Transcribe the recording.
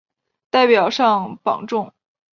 代表上榜中